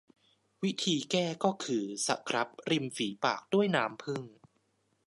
วิธีแก้ก็คือสครับริมฝีปากด้วยน้ำผึ้ง